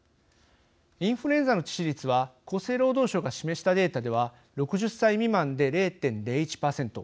インフルエンザの致死率は厚生労働省が示したデータでは６０歳未満で０．０１％。